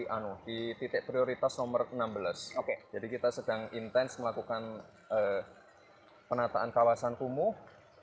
anu di titik prioritas nomor enam belas oke jadi kita sedang intens melakukan penataan kawasan kumuh